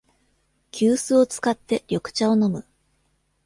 急須を使って緑茶を飲む